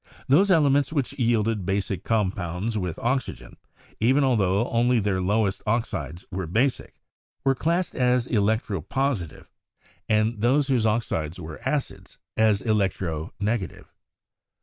Those elements which yielded basic compounds with oxygen, even altho only their lowest ox ides were basic, were classed as electro positive, and those BERZELIUS AND THE ATOMIC THEORY 211 whose oxides were acids as electro negative.